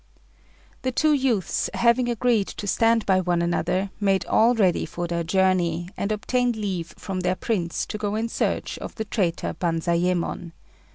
The two youths, having agreed to stand by one another, made all ready for their journey, and obtained leave from their prince to go in search of the traitor Banzayémon.